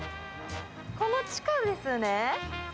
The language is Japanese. この地下ですね。